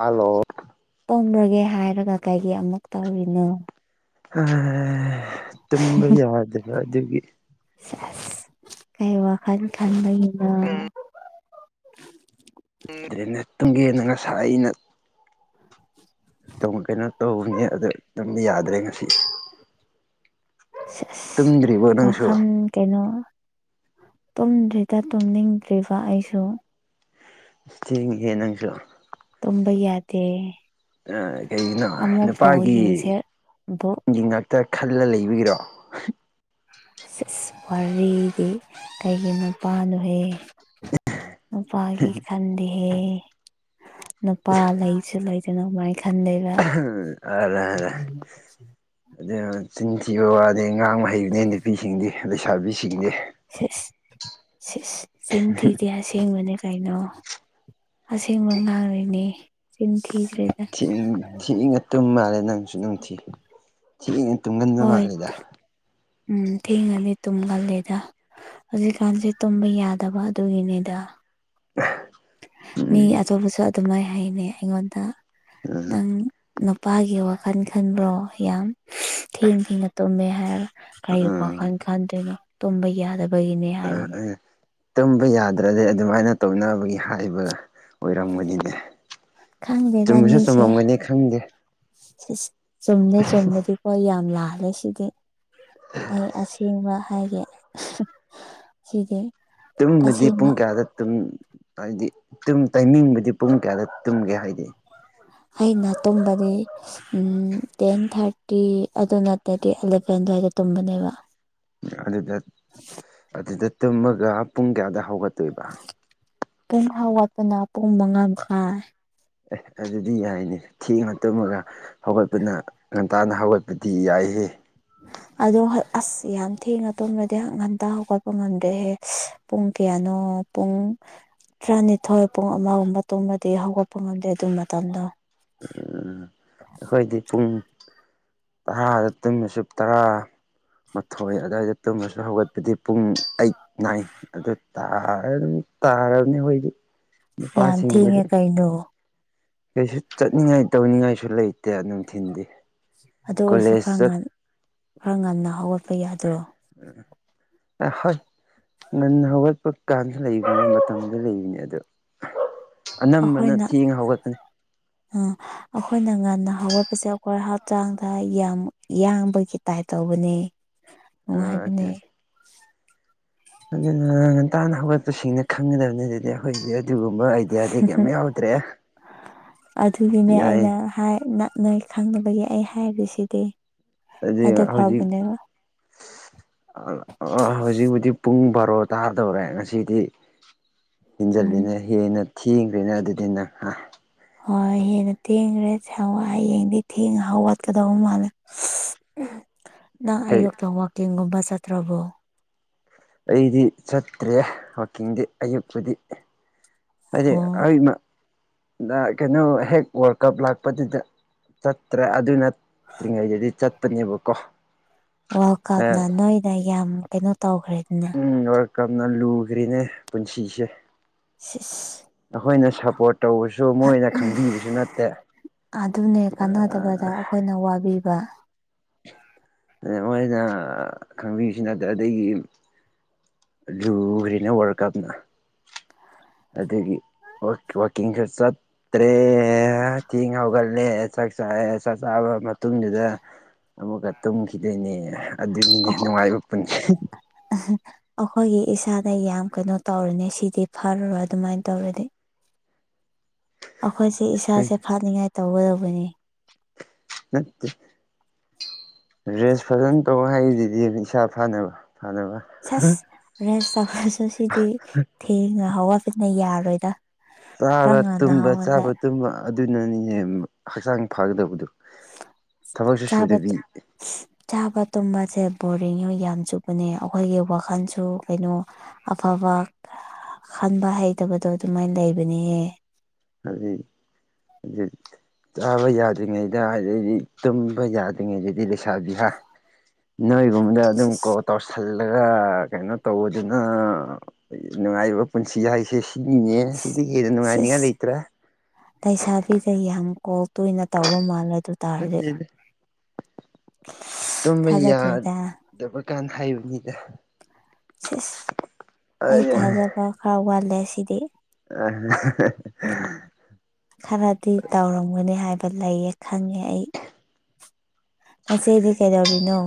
Hello ꯇꯣꯂꯒꯦ ꯍꯥꯏꯔꯒ ꯀꯩꯒꯤꯩ ꯑꯃꯨꯛ ꯇꯧꯔꯤꯅꯣ ꯇꯨꯝꯕ ꯌꯥꯗꯕ ꯑꯗꯨꯒꯤ ꯀꯩ ꯋꯥꯈꯜ ꯈꯥꯟꯕꯕꯅ ꯇ꯭ꯔꯗ ꯇꯨꯡꯒꯦꯅ ꯉꯁꯥꯏ ꯑꯩꯅ ꯀꯩꯅꯣ ꯇꯧꯕꯅꯦ ꯑꯗꯨꯗ ꯑꯗꯨꯝ ꯌꯥꯗ꯭ꯔꯦ ꯉꯁꯤ ꯇꯨꯝꯗ꯭ꯔꯤꯕꯣ ꯅꯪꯁꯨ ꯎꯝ ꯀꯩꯅꯣ ꯇꯨꯝꯗ꯭ꯔꯤꯗ ꯇꯨꯝꯅꯤꯡꯗ꯭ꯔꯤꯕ ꯑꯩꯁꯨ ꯆꯦꯡ ꯍꯦ ꯅꯪꯁꯨ ꯇꯝꯕ ꯌꯥꯗꯦ ꯀꯩꯒꯤꯅꯣ ꯑꯃꯨꯛ ꯕꯣꯜ ꯅꯨꯄꯥꯒꯤ ꯌꯦꯡꯁꯦ ꯕꯣꯜ ꯒꯤ ꯉꯥꯛꯇ ꯈꯜꯂ ꯂꯩꯕꯤꯒꯤꯔꯣ ꯁ ꯋꯥꯔꯤꯗꯤ ꯀꯩꯒꯤ ꯃꯄꯥꯅꯣꯍꯦ ꯄꯥꯒꯤ ꯈꯗꯍꯦ ꯅꯨꯄꯥ ꯂꯩꯁꯨ ꯂꯩꯗꯅ ꯑꯗꯨꯃꯥꯏꯅ ꯈꯟꯗꯕ ꯑꯗꯨ ꯆꯤꯟꯊꯤꯕ ꯋꯥ ꯑꯗꯩ ꯉꯉꯥꯡ ꯃꯍꯩꯅꯦ ꯅꯨꯄꯤꯁꯤꯡꯗꯤ ꯂꯩꯁꯥꯕꯤꯁꯤꯡꯗꯤ ꯁꯤꯁ ꯁꯤꯁ ꯁꯤꯝꯇꯤꯗꯤꯤꯌꯥꯁꯦꯡꯕꯅꯦ ꯀꯩꯅꯣ ꯑꯁꯦꯡꯕ ꯉꯥꯡꯔꯤꯅꯤ ꯆꯤꯟ ꯊꯤꯗ꯭ꯔꯦ ꯊꯦꯡ ꯊꯦꯡꯉ ꯇꯨꯝ ꯃꯥꯜꯂꯦ ꯅꯪꯁꯨ ꯅꯨꯡꯊꯤ ꯊꯦꯡꯉ ꯇꯨꯝꯒ ꯍꯣꯏ ꯎꯝ ꯊꯦꯡꯉꯅꯤꯒꯂꯗ ꯍꯧꯖꯤꯛꯀꯥꯟꯁꯦ ꯇꯨꯝꯕ ꯌꯥꯗꯕ ꯑꯗꯨꯒꯤꯅꯤꯗ ꯑ ꯃꯤ ꯑꯇꯣꯞꯄꯁꯨ ꯑꯗꯨꯃꯥꯏ ꯍꯥꯏꯅꯤ ꯑꯩꯉꯣꯟꯗ ꯅꯪ ꯅꯨꯄꯥꯒꯤ ꯋꯥꯈꯜ ꯈꯟꯕ꯭ꯔꯣ ꯌꯥꯝ ꯊꯦꯡ ꯊꯦꯡꯅ ꯇꯨꯝꯃꯦ ꯍꯥꯏꯔꯒ ꯀꯔꯤ ꯎꯝ ꯋꯥꯈꯜ ꯈꯟꯗꯣꯏꯅꯣ ꯇꯨꯝꯕ ꯌꯥꯗꯕ ꯑ ꯎ ꯇꯨꯝꯕ ꯌꯥꯗ꯭ꯔꯗꯤ ꯑꯗꯨꯃꯥꯏꯅ ꯇꯧꯅꯕꯒꯤ ꯍꯥꯏꯕ ꯑꯣꯏꯔꯝꯒꯅꯤꯅꯦ ꯈꯪꯗꯦꯗ ꯆꯨꯝꯕꯁꯨ ꯆꯨꯝꯃꯝꯒꯅꯤ ꯈꯪꯗꯦ ꯆꯨꯝꯃꯦ ꯆꯨꯝꯕꯗꯤꯀꯣ ꯌꯥꯝ ꯂꯥꯜꯂꯦ ꯁꯤꯗꯤ ꯑꯩ ꯑꯁꯦꯡꯕ ꯍꯥꯏꯒꯦ ꯁꯤꯗꯤ ꯇꯨꯝꯃꯗꯤ ꯑꯁꯦꯡꯕ ꯄꯨꯡ ꯀꯌꯥꯗ ꯇꯨꯝ ꯍꯥꯏꯗꯤ ꯇꯥꯏꯃꯤꯡꯕꯨꯗꯤ ꯄꯨꯡ ꯀꯌꯥꯗ ꯇꯨꯝꯒꯦ ꯍꯥꯏꯗꯤ ꯑꯩꯅ ꯇꯨꯝꯕꯗꯤ ꯇꯦꯟ ꯊꯥꯔꯇꯤ ꯑꯗꯨ ꯅꯠꯇꯔꯗꯤ ꯑꯦꯂꯚꯦꯟ ꯑꯗꯨꯋꯥꯏꯗ ꯇꯨꯝꯕꯅꯦꯕ ꯑꯗꯨꯗ ꯑꯗꯨꯗ ꯇꯨꯝꯃꯒ ꯄꯨꯡ ꯀꯌꯥꯗ ꯍꯧꯒꯠꯇꯣꯏꯕ ꯀꯝ ꯊꯥꯎ ꯋꯥꯠꯄꯅ ꯄꯨꯡ ꯃꯉꯥ ꯃꯈꯥꯏ ꯑꯦ ꯑꯗꯨꯗꯤ ꯌꯥꯏꯅꯦ ꯊꯦꯡꯉ ꯇꯨꯝꯃꯒ ꯍꯧꯒꯠꯄꯅ ꯉ ꯍꯞꯇꯥꯅ ꯍꯧꯒꯠꯄꯗꯤ ꯌꯥꯏꯍ ꯑꯗꯣ ꯑꯁ ꯌꯥꯝ ꯊꯦꯡꯅ ꯇꯣꯗꯗꯤ ꯉꯟꯇ ꯍꯧꯒꯠꯄ ꯉꯝꯗ꯭ꯔꯦꯍꯦ ꯄꯨꯡ ꯀꯌꯥꯅꯣ ꯄꯨꯡ ꯇꯔꯥꯅꯤꯊꯣꯏ ꯄꯨꯡ ꯑꯃꯒꯨꯝꯕ ꯇꯨꯡꯃꯗꯤ ꯍꯧꯒꯠꯄ ꯉꯝꯗꯦ ꯑꯗꯨ ꯃꯇꯝꯗꯣ ꯎꯝ ꯑꯩꯈꯣꯏꯗꯤ ꯄꯨꯡ ꯇꯔꯥꯗ ꯇꯃꯤꯟꯅ ꯁꯨꯞ ꯇꯔꯥ ꯃꯊꯣꯏ ꯑꯗꯨꯋꯥꯏꯗ ꯇꯨꯝꯃꯁꯨ ꯍꯧꯒꯠꯄꯗꯤ ꯄꯨꯡ ꯑꯩ ꯏ ꯑꯗꯨ ꯇꯥ ꯑꯗꯨ ꯇꯥꯔꯕꯅꯦ ꯑꯩꯈꯣꯏꯗꯤ ꯌꯥꯝ ꯅꯨꯄꯥꯁꯤꯡꯕꯨꯗꯤ ꯊꯦꯡꯉꯦ ꯀꯩꯅꯣ ꯀꯩꯁꯨ ꯆꯠꯅꯤꯡꯉꯥꯏ ꯇꯧꯅꯤꯡꯉꯥꯏꯁꯨ ꯂꯩꯇꯦ ꯅꯨꯡꯊꯤꯟꯗꯤ ꯑꯗꯨ ꯑꯣꯏꯔꯁꯨ ꯀꯣꯂꯦꯖ ꯈꯔ ꯉ ꯆꯠ ꯈꯔ ꯉꯟꯅ ꯍꯧꯒꯠꯄ ꯌꯥꯗ꯭ꯔꯣ ꯎ ꯑ ꯍꯣꯏ ꯉꯟꯅ ꯍꯧꯒꯠꯄ ꯀꯥꯟꯗ ꯂꯩꯕꯅꯤ ꯃꯇꯝꯗ ꯂꯩꯕꯅꯤ ꯑꯗꯣ ꯑꯅꯝꯕꯅ ꯊꯦꯡꯉ ꯍꯧꯒꯠꯄꯅꯤ ꯑꯣ꯫ ꯑꯩꯈꯣꯏꯅ ꯉꯟꯅ ꯍꯧꯒꯠꯄꯁꯦ ꯑꯩꯈꯣꯏ ꯍꯛꯆꯥꯡꯗ ꯌꯥꯝ ꯌꯥꯡꯕꯒꯤ ꯇꯥꯏꯞ ꯇꯧꯕꯅꯦ꯫ ꯑ ꯑꯗꯨ ꯅꯨꯡꯉꯥꯏꯕꯅꯦ ꯑꯗꯨꯅ ꯉꯟꯇꯥꯅ ꯍꯧꯒꯠꯄꯁꯤꯡꯅ ꯈꯪꯒꯗꯕꯅꯤ ꯑꯗꯨꯗꯤ ꯑꯩꯈꯣꯏꯗꯤ ꯑꯗꯨꯒꯨꯝꯕ ꯑꯥꯏꯗꯤꯌꯥꯗꯤ ꯀꯩꯝ ꯌꯥꯎꯗ꯭ꯔꯦ ꯌꯥꯏ ꯍꯣꯏ ꯅꯪ ꯅꯣꯏ ꯈꯪꯗꯕꯒꯤ ꯑꯩ ꯍꯥꯏꯔꯤꯁꯤꯗꯤ ꯑꯗꯨ ꯐꯥꯎꯕꯅꯦꯕ꯫ ꯍꯧꯖꯤꯛꯕꯨꯗꯤ ꯄꯨꯡ ꯕꯥꯔꯣ ꯇꯥꯗꯧꯔꯦ ꯉꯁꯤꯗꯤ꯫ ꯎꯝ ꯍꯦꯟꯖꯤꯜꯂꯤꯅ ꯍꯦꯟꯅ ꯊꯦꯡꯈ꯭ꯔꯤꯅ ꯑꯗꯨꯗꯤ ꯅꯪ ꯍꯥ꯫ ꯍꯣꯏ ꯍꯦꯟꯅ ꯊꯦꯡꯈ꯭ꯔꯦꯋꯥ ꯍꯌꯦꯡꯗꯤ ꯊꯦꯡꯅ ꯍꯧꯒꯠꯀꯗꯧꯕꯧ ꯃꯥꯜꯂꯤ꯫ [unintelligible] ꯅꯪ ꯑꯌꯨꯛꯇ ꯋꯥꯛꯀꯤꯡꯒꯨꯝꯕ ꯆꯠꯇ꯭ꯔꯕꯣ꯫ ꯑꯩꯗꯤ ꯆꯠꯇ꯭ꯔꯦ ꯋꯥꯛꯀꯤꯡꯗꯤ ꯑꯌꯨꯛꯄꯨꯗꯤ꯫ ꯍꯥꯏꯗꯤ ꯑꯣ ꯑꯩ ꯀꯩꯅꯣ ꯍꯦꯛ ꯋꯥꯔꯜ ꯀꯞ ꯂꯥꯛꯄꯗꯨꯗ ꯆꯠꯇ꯭ꯔꯦ ꯑꯗꯨ ꯅꯠꯇ꯭ꯔꯤꯉꯩꯗꯗꯤ ꯆꯠꯄꯅꯦꯕꯀꯣ꯫ ꯋꯥꯔꯜ ꯀꯞꯅ ꯅꯣꯏꯗ ꯌꯥꯝ ꯀꯩꯅꯣ ꯇꯧꯈ꯭ꯔꯦꯗꯅ ꯎꯝ ꯋꯥꯔꯜ ꯀꯞꯅ ꯂꯨꯈ꯭ꯔꯤꯅꯦ ꯄꯨꯟꯁꯤꯁꯦ꯫ ꯁꯤꯁ꯫ ꯑꯩꯈꯣꯏꯅ ꯁꯞꯄꯣꯔꯠ ꯇꯧꯕꯁꯨ ꯃꯣꯏꯅ ꯈꯪꯕꯤꯕꯁꯨ ꯅꯠꯇꯦ꯫ ꯑꯗꯨꯅꯦ ꯀꯥꯟꯅꯗꯕꯗ ꯑꯩꯈꯣꯏꯅ ꯋꯥꯕꯤꯕ꯫ ꯃꯣꯏꯅ ꯈꯪꯕꯤꯔꯤꯁꯤ ꯅꯠꯇꯦ ꯑꯗꯒꯤ ꯂꯨꯈ꯭ꯔꯤꯅꯤ ꯋꯥꯔꯜ ꯀꯞꯅ꯫ ꯑꯗꯨꯒꯤ ꯋꯀꯤꯡꯁꯨ ꯆꯠꯇ꯭ꯔꯦ ꯊꯦꯡ ꯍꯧꯒꯠ ꯂꯦ ꯆꯥꯛ ꯆꯥꯛꯑꯦ ꯆꯥꯛ ꯆꯥꯕ ꯃꯇꯨꯡꯗꯨꯗ ꯑꯃꯨꯛꯀ ꯇꯨꯝꯈꯤꯗꯣꯏꯅꯦ ꯑꯗꯨꯒꯤꯅꯦ ꯅꯨꯡꯉꯥꯏꯕ ꯄꯨꯟꯁꯤ꯫ ꯑꯩꯈꯣꯏꯒꯤ ꯏꯁꯥꯗ ꯌꯥꯝ ꯀꯩꯅꯣ ꯇꯧꯔꯅꯤ ꯁꯤꯗꯤ ꯐꯔꯔꯣꯏ ꯑꯗꯨꯃꯥꯏꯅ ꯇꯧꯔꯗꯤ꯫ ꯑꯩꯈꯣꯏꯁꯦ ꯏꯁꯥꯁꯦ ꯐꯥꯠꯅꯤꯡꯉꯥꯏ ꯇꯧꯒꯗꯕꯅꯤ꯫ ꯅꯠꯇꯦ꯫ ꯔꯦꯁ ꯐꯖꯅ ꯇꯧ ꯍꯥꯏꯔꯤꯗꯨꯗꯤ ꯏꯁꯥ ꯐꯥꯅꯕ ꯐꯥꯅꯕ꯫ ꯁꯁ ꯔꯦꯁ ꯇꯧꯈ꯭ꯔꯁꯨ ꯁꯤꯗꯤ ꯊꯦꯡꯅ ꯍꯋꯥꯄꯅ ꯌꯥꯔꯣꯏꯗ꯫ ꯈꯔ ꯆꯥꯕ ꯉꯟꯅ ꯇꯨꯝꯕ ꯍꯧꯒꯠꯂꯦ ꯆꯥꯕ ꯇꯨꯝꯕ ꯑꯗꯨꯅꯅꯤꯅꯦ ꯍꯛꯆꯥꯡ ꯐꯒꯗꯕꯗꯨ꯫ ꯊꯕꯛꯁꯨ ꯆꯥꯕ ꯁꯨꯗꯕꯤ꯫ ꯆꯥꯕ ꯇꯨꯝꯕꯁꯦ ꯕꯣꯔꯤꯡꯁꯨ ꯌꯥꯝ ꯆꯨꯞꯄꯅꯦ ꯑꯩꯈꯣꯏꯒꯤ ꯋꯥꯈꯜꯁꯨ ꯀꯩꯅꯣ ꯑꯐꯕ ꯈꯟꯕ ꯍꯩꯇꯕꯗꯣ ꯑꯗꯨꯃꯥꯏꯅ ꯂꯩꯕꯅꯤꯍꯦ꯫ [unintelligible] ꯆꯥꯕ ꯌꯥꯗ꯭ꯔꯤꯉꯩꯗ ꯑꯗꯩꯗꯤ ꯇꯨꯝꯕ ꯌꯥꯗ꯭ꯔꯤꯉꯩꯗꯩꯗꯤ ꯂꯩꯁꯥꯕꯤꯁꯥ ꯅꯣꯏ ꯔꯣꯝꯗ ꯑꯗꯨꯝ ꯀꯣ ꯇꯧꯁꯤꯜꯂꯒ ꯀꯩꯅꯣ ꯇꯧꯕꯗꯨꯅ ꯅꯨꯡꯉꯥꯏꯔꯤꯕ ꯄꯨꯟꯁꯤ ꯍꯥꯏꯁꯤ꯫ ꯁꯤꯅꯤꯅꯦ ꯁꯤꯗꯤ ꯍꯦꯟꯅ ꯅꯨꯡꯉꯥꯏꯅꯤꯡꯉꯥꯏ ꯂꯩ ꯂꯩꯩꯁꯥꯕꯤꯗꯒꯤ ꯌꯥꯝ ꯀꯣꯛ ꯇꯣꯏꯅ ꯇꯧꯕ ꯃꯥꯜꯂꯦ ꯑꯗꯨ ꯇꯥꯔꯗꯤ ꯅꯠꯇꯦꯗ꯫ ꯇꯨꯝꯕ ꯊꯥꯖꯗ꯭ꯔꯦꯗ ꯌꯥꯗꯕ ꯀꯥꯟ ꯍꯥꯏꯕꯅꯤꯗ꯫ ꯁꯁ ꯑꯩ ꯑ ꯊꯥꯖꯕ ꯈꯔ ꯋꯥꯠꯂꯦ ꯁꯤꯗꯤ꯫ [unintelligible] ꯈꯔꯗꯤ ꯇꯧꯔꯝꯒꯅꯤ ꯍꯥꯏꯕ ꯂꯩꯌꯦ ꯈꯪꯉꯦ ꯑꯩ꯫ ꯅꯆꯦꯗꯤ ꯀꯩꯗꯧꯔꯤꯅꯣ꯫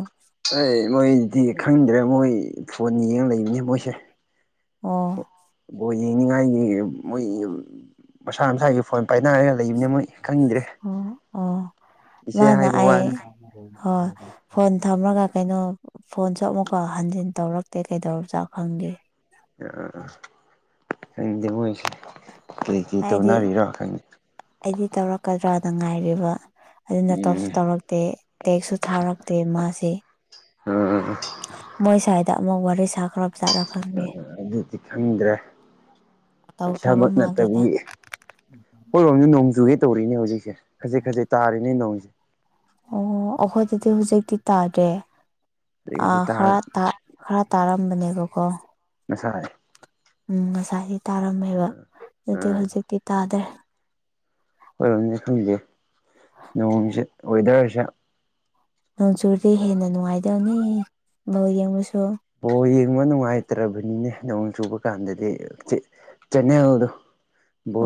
ꯑꯩ ꯃꯣꯏꯗꯤ ꯈꯪꯗ꯭ꯔꯦ ꯃꯣꯏ ꯐꯣꯟ ꯌꯦꯡ ꯂꯩꯕꯅꯦ ꯃꯣꯏꯁꯦ꯫ ꯑꯣ꯫ ꯕꯣꯜ ꯌꯦꯡꯅꯤꯡꯉꯥꯏꯒꯤ ꯃꯣꯏꯒꯤ ꯃꯁꯥ ꯃꯁꯥꯒꯤ ꯐꯣꯟ ꯄꯥꯏꯅꯔꯦ꯫ ꯑꯣ ꯑꯣ ꯏꯆꯦ ꯃꯥꯅ ꯍꯥꯏꯕ ꯑꯩ ꯋꯥꯅꯤ ꯍꯣꯏ꯫ ꯐꯣꯟ ꯊꯝꯃꯒ ꯀꯩꯅꯣ ꯐꯣꯟꯁꯨ ꯑꯃꯨꯛꯀ ꯍꯟꯖꯤꯟ ꯇꯧꯔꯛꯇꯦ ꯀꯩꯗꯧꯔꯅ ꯖꯥꯠꯅꯣ ꯈꯪꯗꯦ꯫ ꯑꯥꯥ ꯈꯪꯗꯦ ꯃꯣꯏꯁꯦ ꯀꯩ ꯀꯩ ꯑꯩꯗꯤ ꯇꯧꯅꯔꯤꯔ ꯈꯪꯗꯦ ꯑꯩꯗꯤ ꯇꯧꯔꯛꯀꯗ꯭ꯔꯥꯅ ꯉꯥꯏꯔꯤꯕ ꯑꯗꯨꯅ ꯇꯧꯁꯨ ꯎꯝ ꯇꯧꯔꯛꯇꯦ ꯇꯦꯛꯁꯁꯨ ꯊꯥꯔꯛꯇꯦ ꯃꯥꯁꯦ ꯎꯝ ꯎꯝꯝ ꯃꯣꯏ ꯁ꯭ꯋꯥꯏꯗ ꯑꯃꯨꯛ ꯋꯥꯔꯤ ꯁꯥꯈ꯭ꯔꯞ ꯖꯥꯠꯠꯂ ꯈꯪꯗ‌ꯦ ꯑꯗꯨꯗꯤ ꯈꯪꯗ꯭ꯔꯦ ꯇꯧꯈ꯭ꯔꯕ ꯏꯁꯥꯃꯛ ꯃꯥꯜꯂꯦꯗ ꯅꯠꯇꯕꯒꯤ ꯍꯣꯏꯔꯣꯝꯗ ꯅꯣꯡꯖꯨꯒꯦ ꯇꯧꯔꯤꯅꯦ ꯍꯧꯖꯤꯛꯁꯦ ꯈꯖꯤꯛ ꯈꯖꯤꯛ ꯇꯥꯔꯤꯅꯦ ꯅꯣꯡꯁꯦ ꯑꯣ ꯑꯩꯈꯣꯏꯗꯗꯤ ꯍꯧꯖꯤꯛꯇꯤ ꯇꯥꯗ꯭ꯔꯦ ꯈꯖꯤꯛ ꯑꯥ ꯈꯖꯤꯛ ꯇꯥ ꯈꯔꯥ ꯇ ꯈꯔ ꯇꯥꯔꯝꯕꯅꯦꯕꯀꯣ ꯉꯁꯥꯏ ꯎꯝ ꯉꯁꯥꯏꯒꯤ ꯇꯥꯔꯝꯃꯦꯕ ꯑꯥ ꯑꯗꯨ ꯍꯧꯖꯤꯛꯇꯤ ꯇꯥꯗ꯭ꯔꯦ ꯑꯩꯈꫭꯏꯔꯝꯗꯤ ꯈꯪꯗꯦ ꯅꯣꯡꯁꯦ ꯋꯦꯗꯔꯁꯦ ꯅꯣꯡ ꯆꯨꯔꯗꯤ ꯍꯦꯟꯅ ꯅꯨꯡꯉꯥꯏꯗꯕꯅꯤ ꯕꫭꯜ ꯌꯦꯡꯕꯁꯨ ꯕꯣ ꯌꯦꯡꯕ ꯅꯨꯡꯉꯥꯏꯇ꯭ꯔꯕꯅꯤꯅꯦ ꯅꯣꯡ ꯆꯨꯕ ꯀꯥꯟꯗꯗꯤ ꯆ‌ꯦꯅꯦꯜꯗꯨ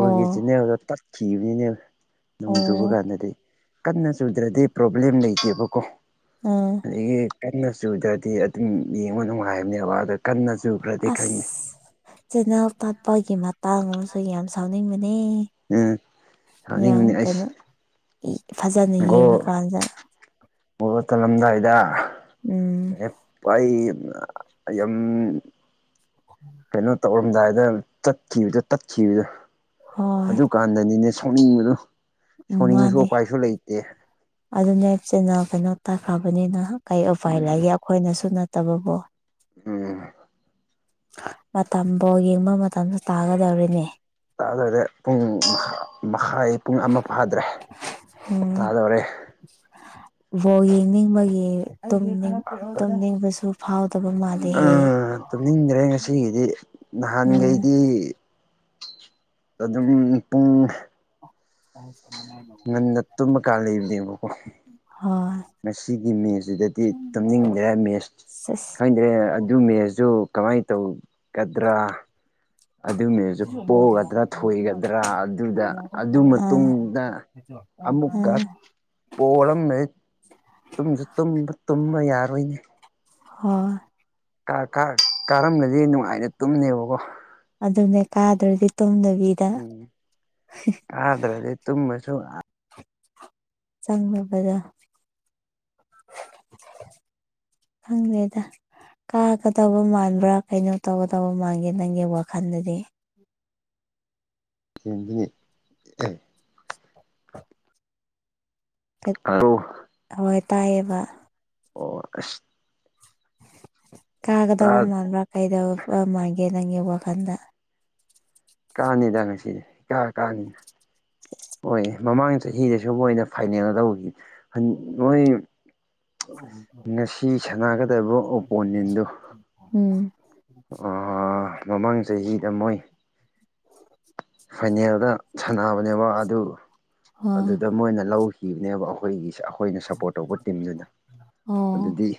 ꯑꯣ ꯆꯤꯟꯅꯦꯜꯗꯣ ꯇꯠꯈꯤꯕꯅꯤꯅꯦ ꯅꯣꯡ ꯆꯨꯕ ꯑꯣ ꯀꯥꯟꯗꯗꯤ ꯀꯟꯅ ꯆꯨꯗ꯭ꯔꯗꯤ ꯄ꯭ꯔꯣꯕ꯭ꯂꯦꯝ ꯂꯩꯇꯦꯕꯀꯣ ꯎꯝ ꯑꯗꯒꯤ ꯀꯟꯅ ꯆꯨꯗ꯭ꯔꯗꯤ ꯑꯗꯨꯝ ꯌꯦꯡꯕ ꯅꯨꯡꯉꯥꯏꯕꯅꯦꯕ ꯑꯗꯣ ꯀꯟꯅ ꯆꯨꯈ꯭ꯔꯗꯤ ꯈꯪꯗꯦ ꯆ‌ꯦꯅ‌ꯦꯜ ꯇꯠꯄꯒꯤ ꯃꯇꯥꯡ ꯑꯃꯁꯨ ꯌꯥꯝ ꯁꯥꯎꯅꯤꯡꯕꯅꯦ ꯎꯝ ꯌꯥꯝ ꯁꯥꯎꯅꯤꯡꯕꯅꯤ ꯑꯩꯁ ꯀꯩꯅꯣ ꯐꯖꯅ ꯌꯦꯡꯉꯀꯥꯟꯗ ꯕꫭꯜ ꯆꯜꯂꯝꯗꯥꯏꯗ ꯎꯝ ꯂꯦꯛ ꯑꯩ ꯌꯥꯝ [unintelligible] ꯀꯩꯅꯣ ꯇꯧꯔꯝꯗꯥꯏꯗ ꯆꯠꯈꯤꯕꯗꯨ ꯇꯠꯈꯤꯕꯗꯨ ꯍꯣꯏ ꯀꯥꯟꯗꯅꯤꯅꯦ ꯁꯥꯎꯅꯤꯡꯕꯗꯨ ꯎꯝ ꯃꯥꯅꯦ ꯑꯗꯨꯅꯦꯕꯁꯤꯅ [unintelligible] ꯀꯩꯅꯣ ꯇꯥꯈꯑꯕꯅꯤꯅ ꯀꯩ ꯎꯄꯥꯏ ꯎꯝ ꯂꯩꯒꯦ ꯑꯩꯈꯣꯏꯅꯁꯨ ꯅꯠꯇꯕꯕꯨ ꯎꯝ ꯃꯇꯝ ꯕꫭꯜ ꯌꯦꯡꯕ ꯃꯇꯝꯖꯨ ꯇꯥꯒꯗꯧꯔ‌ꯦꯅꯦ ꯇꯥꯗꯣꯏꯔꯦ ꯄꯨꯡ ꯃꯈꯥꯏ ꯄꯨꯡ ꯑꯃ ꯐꯥꯗ꯭ꯔꯦ ꯎꯝ ꯇꯥꯗꯧꯔꯦ ꯕꯣꯜ ꯌꯦꯡꯅꯤꯡꯕꯒꯤ ꯇꯨꯝꯅꯤꯡ ꯇꯨꯝꯅꯤꯡꯕꯁꯨ ꯐꯥꯎꯗꯕ ꯃꯥꯜꯂꯤ ꯇꯨꯝꯅꯤꯡꯗ꯭ꯔꯦ ꯉꯁꯤꯒꯤꯗꯤ ꯎꯝ ꯅꯍꯥꯟꯈꯩꯗꯤ ꯑꯗꯨꯝ ꯄꯨꯡ ꯍ ꯁꯣ [unintelligible] ꯉꯟꯅ ꯇꯨꯝꯃ ꯀꯥꯟ ꯂꯩꯕꯅꯦꯕꯀꯣ ꯍꯣꯏ ꯉꯁꯤꯒꯤ ꯃꯦꯠꯁꯁꯤꯗꯗꯤ ꯇꯨꯝꯅꯤꯡꯗ꯭ꯔ ꯃꯦꯠꯁ ꯁꯤꯁ ꯈꯪꯗ꯭ꯔꯦ ꯑꯗꯨ ꯃꯦꯁꯁꯨ ꯀꯃꯥꯏꯅ ꯇꯧꯒꯗ꯭ꯔꯥ ꯑꯗꯨꯃ‌ꯦꯁꯇꯨ ꯄꯣꯛꯒꯗ꯭ꯔꯥ ꯊꯣꯏꯒꯗ꯭ꯔꯥ ꯑꯗꯨꯗ ꯑꯗꯨ ꯑꯥ ꯃꯇꯨꯡꯗ ꯑꯃꯨꯛꯀ ꯎꯝ ꯄꫭꯔꯝꯃꯦ ꯇꯨꯝꯁꯨ ꯇꯨꯝꯕ ꯇꯨꯝꯕ ꯌꯥꯔꯣꯏꯅꯦ ꯍꯣꯏ ꯀꯥꯔꯝꯂꯗꯤ ꯅꯨꯡꯉꯥꯏꯅ ꯇꯨꯝꯅ‌ꯦꯕꯀꯣ ꯑꯗꯨꯅꯦ ꯀꯥꯗ꯭ꯔꯗꯤ ꯇꯨꯗꯕꯤ ꯎꯝ ꯀꯗ꯭ꯔꯗꯤ ꯇꯨꯝꯃꯁꯨ ꯆꯪꯂꯨꯕꯗ [unintelligible] ꯑ [inaudible] ꯈꯪꯗ‌ꯦꯗ ꯀꯥꯒꯗꯕ ꯃꯥꯟꯕ꯭ꯔꯥ ꯀꯩꯅꯣ ꯇꯧꯒꯗꯧꯕ ꯃꯥꯟꯒꯦ ꯅꯪꯒꯤ ꯋꯥꯈꯜꯗꯗꯤ ꯅꯤ [unintelligible] [inaudible] ꯍꯜꯂꯣ ꯍꯣꯏ ꯇꯥꯏꯌꯦꯕ ꯑꯣ ꯑꯁ ꯀꯥꯒꯗꯕ ꯇꯥ ꯃꯥꯟꯕ꯭ꯔꯥ ꯀꯩꯗ ꯃꯥꯟꯒꯦ ꯅꯪꯒꯤ ꯋꯥꯈꯟꯗ ꯀꯥꯅꯤꯗ ꯉꯁꯤꯗꯤ ꯏꯀꯥ ꯀꯥꯅꯤ ꯍꯣꯏ ꯃꯃꯥꯡ ꯆꯍꯤꯗꯁꯨ ꯃꯣꯏꯅ ꯐꯥꯏꯅꯦꯜ ꯂꯧꯒꯤ ꯍꯟ ꯃꯣꯏ ꯉꯁꯤ ꯁꯥꯟꯅꯒꯗꯕ ꯑꯣꯄꯣꯅꯦꯟꯗꯨ ꯎꯝ ꯑ ꯃꯃꯥꯡ ꯆꯍꯤꯗ ꯃꯣꯏ ꯐꯥꯏꯅꯦꯜꯗ ꯁꯥꯟꯅꯕꯅꯦꯕ ꯑꯗꯨ ꯑꯣ ꯑꯗꯨꯗ ꯃꯣꯏꯅ ꯂꯧꯈꯤꯕꯅꯦꯕ ꯑꯩꯈꯣꯏꯒꯤ ꯑꯩꯈꯣꯏꯅ ꯁꯄꯣꯔꯠ ꯇꯧꯕ ꯇꯤꯝꯗꯨꯅ ꯑꯣ ꯑꯗꯨꯗꯤ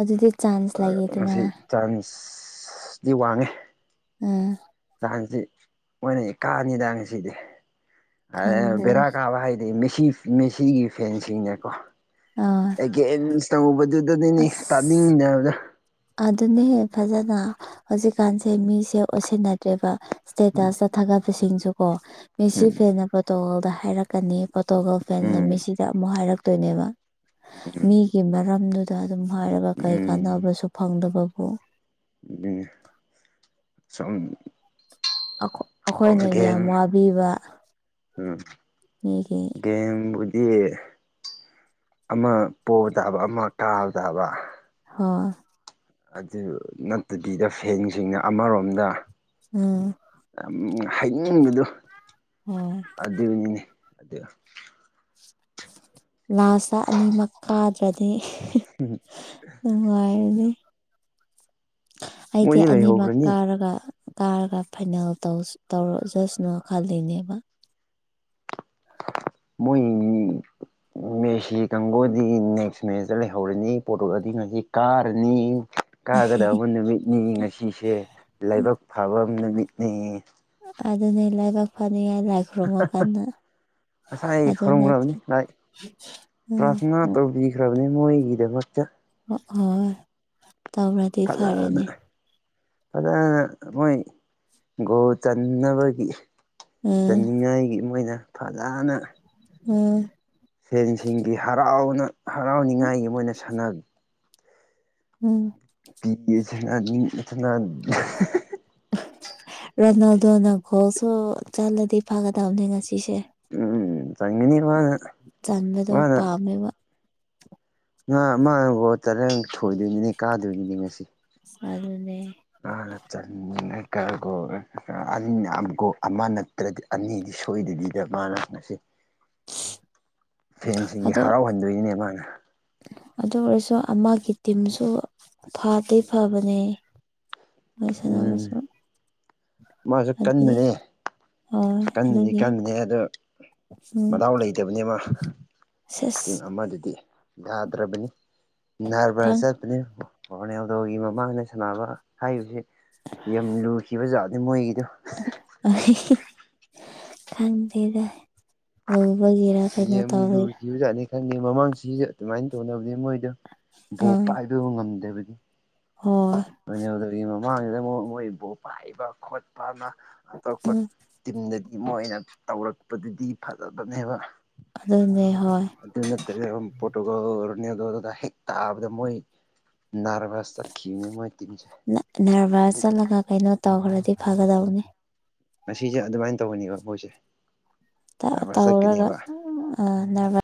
ꯑꯗꯨꯗꯤ ꯆꯥꯥꯟ ꯃꯁꯤ ꯆꯥꯟꯁꯇꯤ ꯋꯥꯡꯉꯦ ꯎꯝ ꯍꯥꯟꯆꯤ ꯃꯣꯏꯅ ꯀꯥꯅꯤꯗ ꯉꯁꯤꯗꯤ [unintelligible] ꯈꯪꯗ꯭ꯔꯦ ꯕꯦꯔꯥ ꯀꯥꯕ ꯍꯥꯏꯗꯤ ꯃꯦꯁꯤ ꯃꯦꯁꯤꯒꯤ ꯐꯦꯟꯁꯤꯡꯅꯦꯀꯣ ꯑꯥ ꯑꯩꯒꯤ ꯑꯦꯃꯤꯟꯁ ꯇꯧꯕꯗꯨꯠ ꯑꯁ ꯑꯗꯨꯅꯦ ꯐꯖꯅ ꯍꯧꯖꯤꯛꯀꯥꯟꯁꯦ ꯃꯤꯁꯦ ꯎꯁꯤꯠꯅꯗ꯭ꯔꯦꯕ ꯏꯁꯇꯦꯇꯁꯇ ꯊꯥꯒꯠꯄ ꯁꯤꯡꯁꯨ ꯀꯣ ꯃꯦꯁꯤ ꯎꯝ ꯐꯦꯟꯅ ꯄ꯭ꯔꯣꯇꯨꯒꯜꯗ ꯍꯥꯏꯔꯛꯀꯅꯤ ꯄ꯭ꯔꯣꯇꯨꯒꯜ ꯒꯜꯅ ꯎꯝ ꯃꯦꯁꯤꯗ ꯑꯃꯨꯛ ꯍꯥꯏꯔꯛꯇꯣꯏꯅꯦꯕ ꯎꯝ ꯃꯤꯒꯤ ꯃꯔꯝꯗꯨ ꯗ ꯑꯗꯨꯝ ꯍꯥꯏꯔꯒ ꯀꯩ ꯀꯥꯟꯅꯕꯁꯨ ꯐꯪꯗꯕꯕꯨ [unintelligible] ꯁꯣꯝ ꯑꯈꯣ ꯑꯩꯈꯣꯏꯅ ꯌꯥꯝ ꯋꯥꯕꯤꯕ ꯎꯝ ꯃꯤꯒꯤ ꯒꯦꯝꯕꯨꯗꯤ ꯑꯃ ꯄꯣꯕ ꯇꯥꯕ ꯑꯃ ꯀꯥꯕ ꯇꯥꯕ ꯍꯣ ꯑꯗꯨ ꯅꯠꯇꯕꯤꯗ ꯐꯦꯟꯁꯤꯡꯅ ꯑꯃꯔꯣꯝꯗ ꯎꯝ ꯌꯥꯝ ꯍꯥꯏꯅꯤꯡꯕꯗꯨ ꯍꯣꯏ ꯑꯗꯨꯅꯤꯅꯦ ꯑꯗꯨ ꯂꯥꯁꯇ ꯑꯅꯤꯃꯛ ꯀꯥꯗ꯭ꯔꯗꯤ [unintelligible] ꯅꯨꯡꯉꯥꯏꯔꯅꯤ ꯑꯩꯗꯤ ꯃꯣꯏꯗꯤ ꯑꯅꯤꯃꯛ ꯂꯩꯍꯧꯈ꯭ꯔꯅꯤ ꯀꯥꯔꯒ ꯀꯥꯔꯒ ꯐꯥꯏꯅꯦꯜ ꯇꯧꯁ ꯇꯧꯔꯖꯁꯅꯨ ꯈꯜꯂꯤꯅꯦꯕ ꯃꯣꯏꯒꯤ ꯃꯦꯁꯤ ꯀꯥꯡꯕꯨꯗꯤ ꯅꯦꯛꯁ ꯃꯦꯁꯇ ꯂꯩꯍꯧꯔꯅꯤ ꯄꯣꯔꯇꯨꯒꯜꯗꯤ ꯉꯁꯤ ꯀꯥꯔꯅꯤ ꯀꯥꯒꯗꯕ ꯅꯨꯃꯤꯠꯅꯤ ꯉꯁꯤꯁꯦ ꯂꯥꯏꯕꯛ ꯐꯕ ꯅꯨꯃꯤꯠꯅꯤ ꯑꯗꯨꯅꯦ ꯂꯥꯏꯕꯥꯛ ꯐꯅꯤꯉꯥꯏ ꯂꯥꯏ ꯈꯨꯔꯨꯝꯃꯣ ꯀꯟꯅ ꯉꯁꯥꯏ ꯈꯨꯔꯨꯝꯈ꯭ꯔꯕꯅꯤ ꯂꯥꯏ ꯎꯝ ꯄ꯭ꯔꯥꯊꯅꯥ ꯇꯧꯕꯤ ꯒ꯭ꯔꯕꯅꯤ ꯃꯣꯏꯒꯤꯗꯃꯛꯇ ꯍꯣ ꯍꯣꯏ ꯇꯧꯔꯠ ꯐꯖꯥꯅ ꯐꯖꯅ ꯃꯣꯏ ꯒꯣꯜ ꯆꯟꯅꯕꯒꯤ ꯎꯝ ꯆꯟꯅꯤꯡꯉꯥꯏꯒꯤ ꯃꯣꯏꯅ ꯐꯖꯥꯅ ꯎꯝ ꯐꯦꯟ ꯁꯤꯡꯒꯤ ꯍꯔꯥꯎꯅ ꯍꯔꯥꯎꯅꯤꯡꯉꯥꯏꯒꯤ ꯃꯣꯏꯅ ꯁꯥꯟꯅ ꯎꯝ [unintelligible] ꯔꯣꯅꯥꯜꯗꯣꯅ ꯒꯣꯜꯁꯨ ꯆꯜꯂꯗꯤ ꯐꯒꯗꯕꯅꯦ ꯉꯁꯤꯁꯦ ꯎꯝ ꯆꯟꯒꯅꯤ ꯁꫭꯏꯅ ꯆꯟꯕꯗꯣ ꯄꯥꯝꯃꯦꯕ [unintelligible] ꯀꯗꯣꯏꯅꯦ ꯉꯁꯤ ꯑꯗꯨꯅꯦ ꯃꯥꯅ ꯆꯟ ꯔꯒ ꯒꯣꯜ [unintelligible] ꯒꯜꯣ ꯑꯉꯅ ꯇꯨꯗ ꯑꯅꯤꯗꯤ ꯁꯣꯏꯗꯕꯤꯗ ꯃꯥꯅ ꯉꯁꯤ ꯐꯦꯟꯁꯤꯒꯤ ꯑꯗꯣ ꯍꯔꯥꯎꯍꯟꯗꯣꯏꯅꯦ ꯃꯥꯅ ꯑꯗꯨ ꯑꯣꯏꯔꯁꯨ ꯑꯃꯒꯤ ꯇꯤꯝꯁꯨ ꯐꯗꯤ ꯐꯕꯅꯦ ꯃꯣꯏ ꯎꯝ ꯁꯥꯟꯅꯕꯁꯨ ꯃꯥꯁꯨ ꯑꯗꯨꯒꯤ ꯀꯟꯕꯅꯦ ꯍꯣꯏ ꯀꯟꯕꯗꯤ ꯑꯗꯨꯒꯤ ꯀꯟꯕꯅꯦ ꯑꯗꯨ ꯎꯝ ꯃꯗꯥꯎ ꯂꯩꯇꯕꯅꯤ ꯃꯥ ꯇꯤꯝ ꯁꯦꯁ ꯑꯃꯗꯨꯗꯤ ꯌꯥꯗ꯭ꯔꯕꯅꯤ ꯅꯥꯔꯕꯁ ꯈꯪ ꯆꯠꯄꯅꯤ ꯔꯣꯅꯦꯜꯗꯣꯒꯤ ꯃꯃꯥꯡꯗ ꯁꯥꯟꯅꯕ ꯍꯥꯏꯕꯁꯤ ꯌꯥꯝ ꯂꯨꯈꯤꯕꯖꯥꯠꯅꯤ ꯃꯣꯏꯒꯤꯗꯣ ꯑꯍꯤꯍꯤ ꯈꯪꯗꯦꯗ ꯂꯨꯕꯒꯤꯔ ꯀꯩꯅꯣ ꯇꯧꯕꯩꯔ ꯀꯤꯕꯖꯥꯠꯅꯤ ꯈꯪꯗꯦ ꯃꯃꯥꯡ ꯆꯤꯁꯨ ꯑꯗꯨꯃꯥꯏꯅ ꯇꯧꯅꯕꯅꯤ ꯃꯣꯏꯗꯣ ꯕꯣꯜ ꯑꯥ ꯄꯥꯏꯕ ꯉꯝꯗꯕꯅꯤ ꯍꯣꯏ ꯂꯣꯏꯅꯦꯜꯗꯔꯤ ꯃꯃꯥꯡꯖꯤꯉꯣ ꯃꯣꯏꯕꯨ ꯄꯥꯏꯕ ꯈꯣꯠꯄ ꯑꯅ ꯑꯇꯣꯞꯄ ꯎꯝ ꯇꯤꯝꯗꯗꯤ ꯃꯣꯏꯅ ꯇꯧꯔꯛꯄꯗꯨꯗꯤ ꯐꯖꯕꯅꯦꯕ ꯑꯗꯨꯅꯦ ꯍꯣꯏ ꯑꯗꯨ ꯅꯠꯇꯅ ꯄ꯭ꯔꯣꯇꯨꯒꯜ ꯅꯦꯗꯣꯔꯒ ꯍꯦꯛ ꯇꯥꯕꯗ ꯃꯣꯏ ꯅꯔꯚꯁ ꯆꯠꯈꯤꯝꯅꯦ ꯃꯣꯏ ꯇꯤꯝꯁꯦ ꯅ ꯅꯔꯚꯁ ꯆꯠꯂꯒ ꯀꯩꯅꯣ ꯇꯧꯈ꯭ꯔꯗꯤ ꯐꯒꯗꯕꯅꯤ ꯉꯁꯤꯁꯦ ꯑꯗꯨꯃꯥꯏꯅ ꯇꯧꯒꯅꯤꯕ ꯃꯣꯏꯁꯦ ꯇ ꯅꯥꯔꯚꯁ ꯇꯧꯔꯒ ꯆꯠꯀꯅꯦꯕ ꯎꯝ ꯑ ꯅꯔꯚ